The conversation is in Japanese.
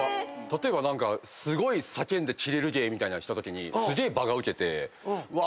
例えば何かすごい叫んでキレる芸みたいなしたときにすげえ場がウケてうわ